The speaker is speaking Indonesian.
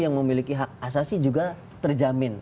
yang memiliki hak asasi juga terjamin